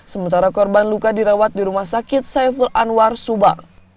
sementara korban luka dirawat di rumah sakit saiful anwar subang